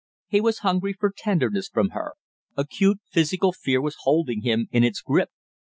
He was hungry for tenderness from her; acute physical fear was holding him in its grip.